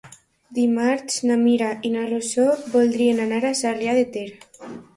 Dimarts na Mira i na Rosó voldrien anar a Sarrià de Ter.